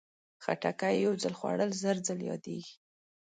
خټکی یو ځل خوړل، زر ځل یادېږي.